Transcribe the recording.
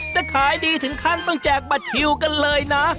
จะขายได้ถึงขั้นต้องแจกบัตรฟรีกันเลยนะ